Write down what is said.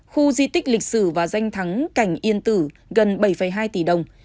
khu di tích lịch sử và danh thắng cảnh yên tử gần bảy hai tỷ đồng